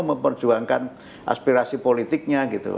memperjuangkan aspirasi politiknya gitu